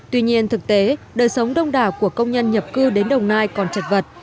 tuy nhiên thực tế đời sống đông đảo của công nhân nhập cư đến đồng nai còn chật vật